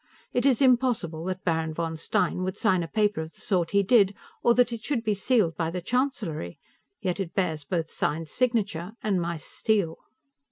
It is impossible that Baron von Stein should sign a paper of the sort he did, or that it should be sealed by the Chancellery yet it bears both Stein's signature and my seal.